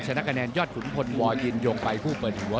ชนะคะแนนยอดขุนพลวยินยงไปผู้เปิดหัว